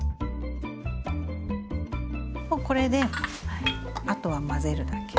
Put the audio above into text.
もうこれであとは混ぜるだけ。